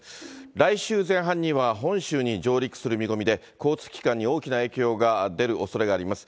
来週前半には本州に上陸する見込みで、交通機関に大きな影響が出るおそれがあります。